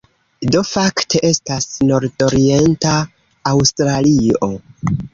Do fakte estas nordorienta Aŭstralio.